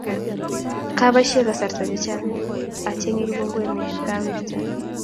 Kabaishe kasarta chechang achenge kibunguet nekawirte